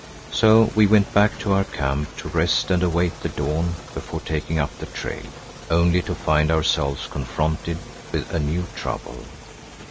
So we went back to our own camp to rest and await the dawn before taking up the trail, only to find ourselves confronted with a new trouble.